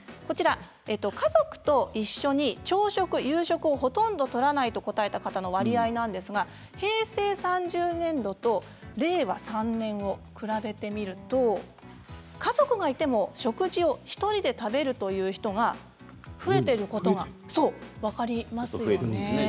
家族と一緒に朝食、夕食をほとんどとらないと答えた方の割合なんですが平成３０年度と令和３年を比べてみますと家族がいても食事を１人で食べるという人が増えていることが分かりますよね。